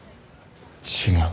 違う。